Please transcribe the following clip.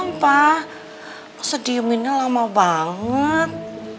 nggak usah diaminnya lama banget